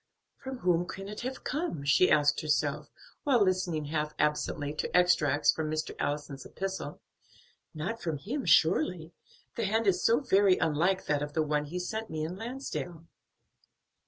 "From whom can it have come?" she asked herself, while listening half absently to extracts from Mr. Allison's epistle; "not from him surely, the hand is so very unlike that of the one he sent me in Lansdale."